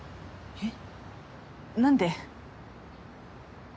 えっ？